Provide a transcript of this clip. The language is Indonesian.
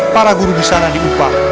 para guru di sana diupah